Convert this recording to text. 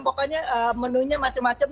pokoknya menunya macam macam